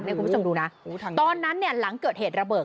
คุณผู้ชมดูนะตอนนั้นเนี่ยหลังเกิดเหตุระเบิด